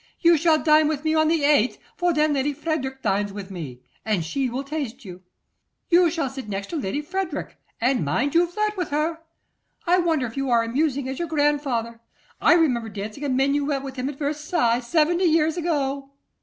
You shall dine with me on the 8th, for then Lady Frederick dines with me, and she will taste you. You shall sit next to Lady Frederick, and mind you flirt with her. I wonder if you are as amusing as your grandfather. I remember dancing a minuet with him at Versailles seventy years ago.